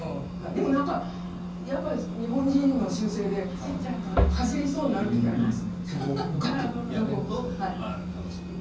でもやっぱり日本人の習性で走りそうになる時はあります。